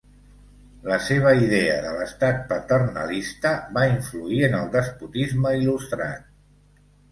La seva idea de l'estat paternalista va influir en el despotisme il·lustrat.